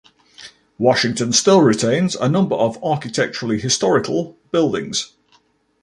Washington still retains a number of architecturally historical buildings.